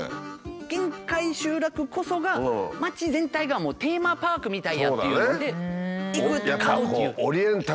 限界集落こそが町全体がもうテーマパークみたいやっていうので行く買うっていう。